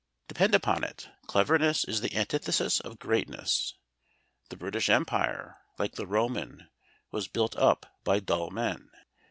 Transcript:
Depend upon it cleverness is the antithesis of greatness. The British Empire, like the Roman, was built up by dull men.